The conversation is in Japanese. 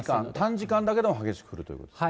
短時間だけども激しく降るということですね。